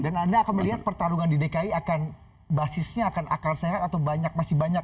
dan anda akan melihat pertarungan di dki akan basisnya akan akal sehat atau banyak masih banyak